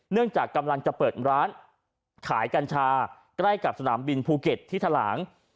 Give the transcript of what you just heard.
จากกำลังจะเปิดร้านขายกัญชาใกล้กับสนามบินภูเก็ตที่ทะหลาง